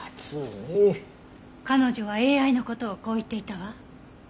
彼女はＡＩの事をこう言っていたわ。